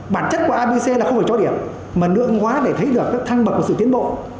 bản chất của abc là không phải cho điểm mà nội hóa để thấy được các thăng bậc của sự tiến bộ